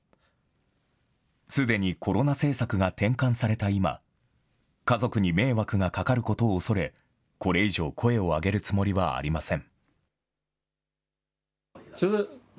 すでにコロナ政策が転換された今、家族に迷惑がかかることを恐れ、これ以上声を上げるつもりはありません。